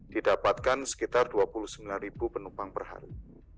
didapatkan sekitar dua puluh sembilan penumpang per hari